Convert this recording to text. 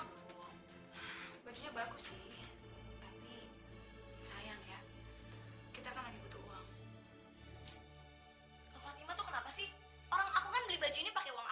rasanya bagus sih sayang ya kita probably what kok variety orang orang takiwakilahu sendiri karena